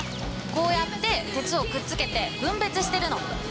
こうやって鉄をくっつけて分別してるの。